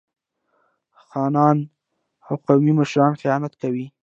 خانان او قومي مشران خیانت کوي.